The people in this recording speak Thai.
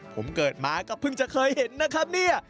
ผมเกิดมาก็เพิ่งจะเคยเห็นนะครับเนี่ย